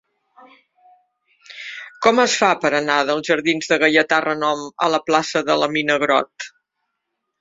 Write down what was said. Com es fa per anar dels jardins de Gaietà Renom a la plaça de la Mina Grott?